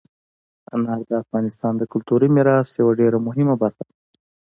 انار د افغانستان د کلتوري میراث یوه ډېره مهمه برخه ده.